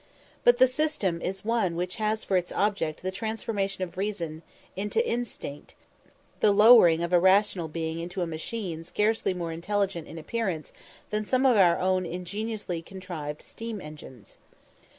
But the system is one which has for its object the transformation of reason into instinct the lowering of a rational being into a machine scarcely more intelligent in appearance than some of our own ingeniously contrived steam engines.